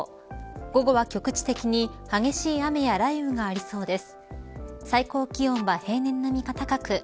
午後は局地的に激しい雨や雷雨がありそうです。